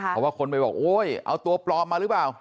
เพราะว่าคนไปบอกโอ๊ยเอาตัวปลอมมาหรือเปล่า